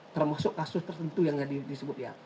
termasuk kasus tertentu yang disebut ya